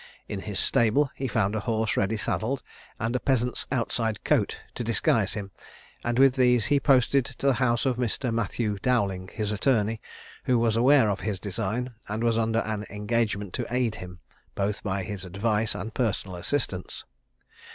In his stable he found a horse ready saddled, and a peasant's outside coat to disguise him; and with these he posted to the house of Mr. Matthew Dowling, his attorney, who was aware of his design, and was under an engagement to aid him, both by his advice and personal assistance.